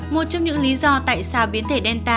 một trong những lý do tại sao biến thể delta